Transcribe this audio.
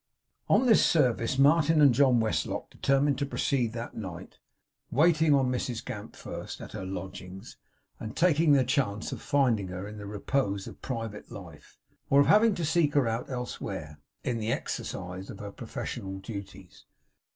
On this service, Martin and John Westlock determined to proceed that night; waiting on Mrs Gamp first, at her lodgings; and taking their chance of finding her in the repose of private life, or of having to seek her out, elsewhere, in the exercise of her professional duties.